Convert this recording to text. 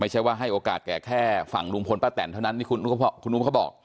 ไม่ใช่ว่าให้โอกาสแก่แค่ฝั่งลุงพลป้าแตนเท่านั้นนี่คุณอุ้มเขาบอก